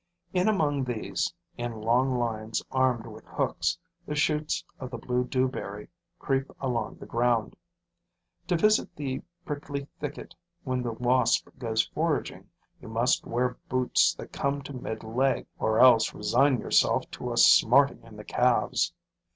In among these, in long lines armed with hooks, the shoots of the blue dewberry creep along the ground. To visit the prickly thicket when the Wasp goes foraging, you must wear boots that come to mid leg or else resign yourself to a smarting in the calves.